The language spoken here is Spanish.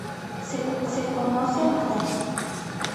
Se conoce mal su vida.